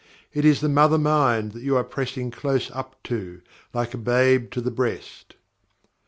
It is the MOTHER MIND that you are pressing close up to, like a babe to the breast.